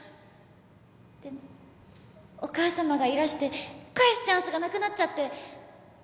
でもお母さまがいらして返すチャンスがなくなっちゃって。